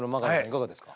いかがですか？